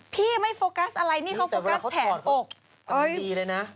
พี่ไม่โฟกัสอะไรนี่เขาโฟกัสแผนอก